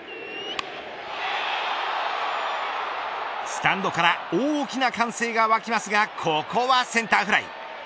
スタンドから大きな歓声が沸きますがここはセンターフライ。